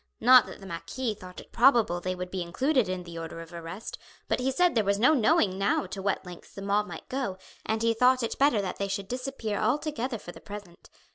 Not that the marquis thought it probable they would be included in the order of arrest, but he said there was no knowing now to what lengths the mob might go and he thought it better that they should disappear altogether for the present.